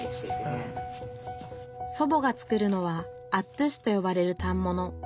祖母が作るのはアットゥシとよばれる反物。